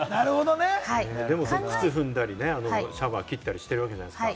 でも靴踏んだり、シャワー切ったりしてるじゃないですか。